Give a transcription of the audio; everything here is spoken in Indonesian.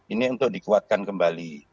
ini untuk dikuatkan kembali